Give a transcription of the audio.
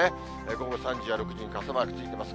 午後３時や６時に傘マークついてます。